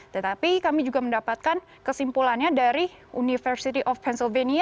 tetapi kami juga mendapatkan kesimpulannya dari university of cancelvenia